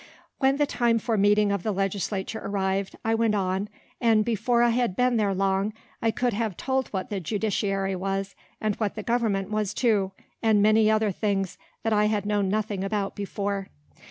When the time for meeting of the Legislature arrived, I went on, and before I had been there long, I could have told what the judiciary was, and what the government was too; and many other things that I had known nothing about before.